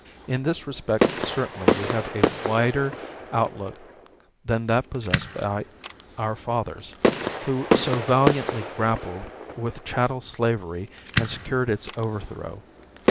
In this respect certainly we have a wider outlook than that possessed by our fathers, who so valiantly grappled with chattel slavery and secured its overthrow.